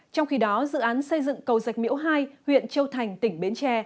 trong khi đó dự án xây dựng cầu dạch miễu hai huyện châu thành tỉnh bến tre